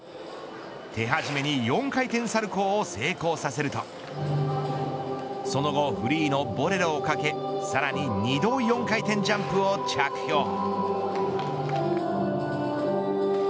手始めに４回転サルコウを成功させるとその後フリーのボレロをかけさらに２度４回転ジャンプを着氷。